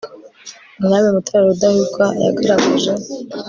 umwami mutara rudahigwa yagaragaje